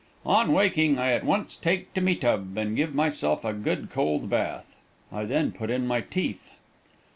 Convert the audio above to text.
On waking I at once take to me tub and give myself a good cold bath. I then put in my teeth.